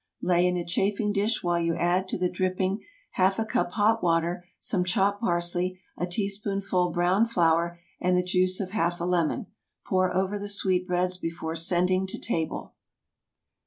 Lay in a chafing dish while you add to the dripping half a cup hot water, some chopped parsley, a teaspoonful browned flour, and the juice of half a lemon. Pour over the sweet breads before sending to table.